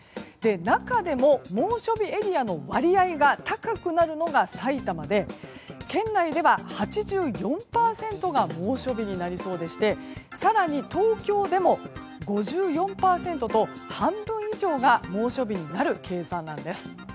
中でも、猛暑日エリアの割合が高くなるのが埼玉で県外では８４％が猛暑日になりそうでして更に東京でも５４％半分以上が猛暑日になる計算なんです。